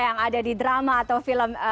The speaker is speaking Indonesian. yang ada di drama atau film